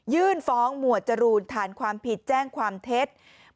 ยื่นฟ้องหมวดจรูนฐานความผิดแจ้งความเท็จ